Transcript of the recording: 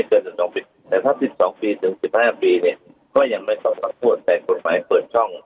เกิน๑๒ปีแต่ถ้า๑๒ปีถึง๑๕ปีเนี่ยก็ยังไม่ต้องรับโทษแต่กฎหมายเปิดช่อง